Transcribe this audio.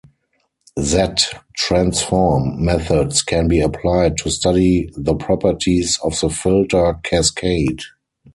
Z-transform methods can be applied to study the properties of the filter cascade.